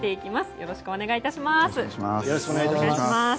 よろしくお願いします。